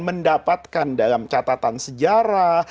mendapatkan dalam catatan sejarah